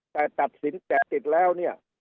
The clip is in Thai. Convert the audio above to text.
แต่ตัดสินแตะติดแล้วเนี่ย